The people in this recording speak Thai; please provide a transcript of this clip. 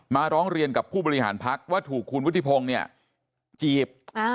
ร้องเรียนกับผู้บริหารพักว่าถูกคุณวุฒิพงศ์เนี่ยจีบ